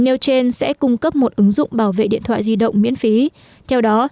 nailchain sẽ cung cấp một ứng dụng bảo vệ điện thoại di động miễn phí theo đó